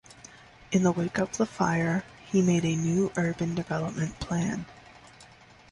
In the wake of the fire, he made a new urban development plan.